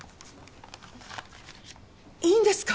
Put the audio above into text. いいんですか？